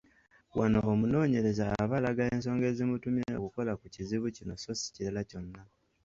Wano omunoonyereza aba alaga ensonga ezimutumye okukola ku kizibu kino so si kirala kyonna.